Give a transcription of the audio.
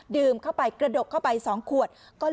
ดื่มเข้าไปกระดกเข้าไปสองขวด